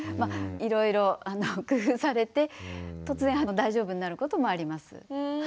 いろいろ工夫されて突然大丈夫になることもあります。